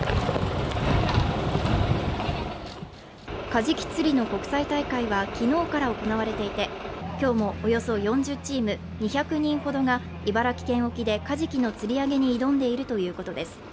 カジキ釣りの国際大会は昨日から行われていて今日もおよそ４０チーム、２００人ほどが茨城県沖でカジキの釣り上げに挑んでいるということです。